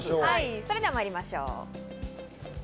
それではまりましょう。